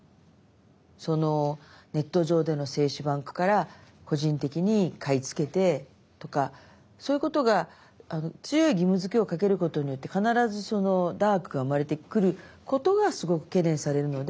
ネット上での精子バンクから個人的に買い付けてとかそういうことが強い義務づけをかけることによって必ずダークが生まれてくることがすごく懸念されるので。